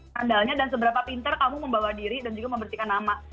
sandalnya dan seberapa pinter kamu membawa diri dan juga membersihkan nama